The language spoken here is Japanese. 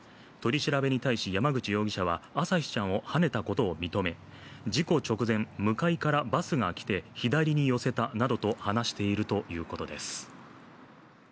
取り調べに対し、山口容疑者は朝輝ちゃんをはねたことを認め、事故直前、向かいからバスが来て左に寄せたなどと話しているということです。